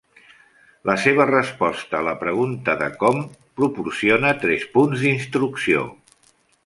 La seva resposta a la pregunta de "com" proporciona tres punts d'instrucció.